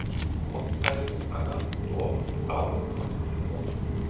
Ortsteile sind Anger, Dorf, Graben und Wiesen Nord.